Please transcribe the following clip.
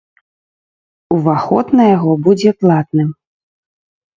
Уваход на яго будзе платным.